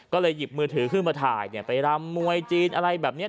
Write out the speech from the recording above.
ก็เลยหยิบมือถือขึ้นมาถ่ายไปรำมวยจีนอะไรแบบนี้